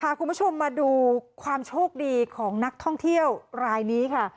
คุณผู้ชมมาดูความโชคดีของนักท่องเที่ยวรายนี้ค่ะ